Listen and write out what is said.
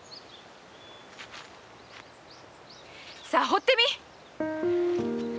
さあほってみい！